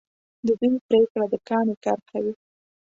د دوی پرېکړه د کاڼي کرښه وي.